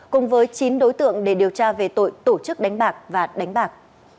cùng với chín đối tượng để điều tra về tội tổ chức đánh bạc và đánh bạc